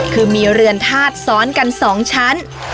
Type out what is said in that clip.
คือมีเรือนธาตุซ้อนกัน๒ชั้น